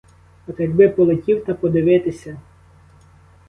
От якби полетів та подивитися!